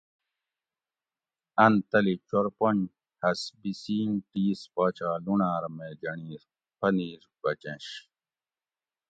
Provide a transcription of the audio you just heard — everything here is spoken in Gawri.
اۤن تلی چور پنج ہس بِسین ٹِیس پاچا لونڑاۤر می گۤنڑی پنیر بچنش